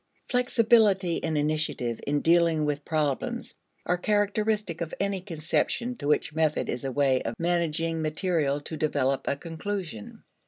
Flexibility and initiative in dealing with problems are characteristic of any conception to which method is a way of managing material to develop a conclusion.